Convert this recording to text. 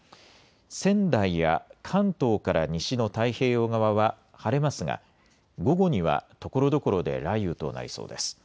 仙台や関東から西の太平洋側は晴れますが午後にはところどころで雷雨となりそうです。